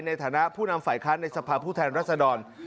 ในฐานะผู้นำฝ่ายค้านในสภาพผู้แทนรัศดร